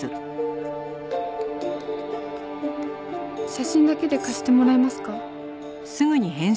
「写真だけで貸してもらえますか？」